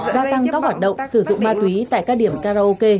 gia tăng các hoạt động sử dụng ma túy tại các điểm karaoke